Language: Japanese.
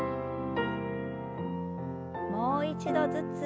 もう一度ずつ。